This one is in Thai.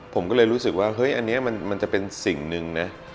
ผมก็เลยรู้สึกว่าเฮ้ยอันนี้มันจะเป็นสิ่งหนึ่งนะ